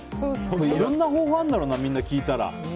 いろんな方法あるんだろうな聞いたら。